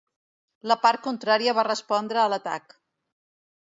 la part contrària va respondre a l'atac.